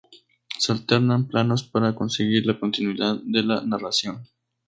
Se alternan planos para conseguir la continuidad de la narración.